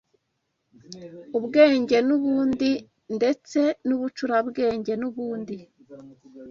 ubwenge n’ubundi, ndetse n’ubucurabwenge n’ubundi